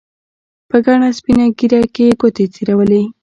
په گڼه سپينه ږيره کښې يې گوتې تېرولې.